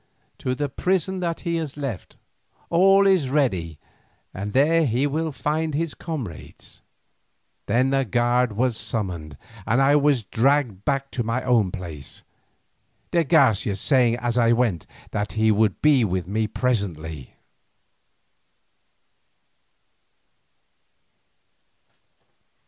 "To the prison that he has left. All is ready and there he will find his comrades." Then a guard was summoned and I was dragged back to my own place, de Garcia saying as I went that he would be with me presently.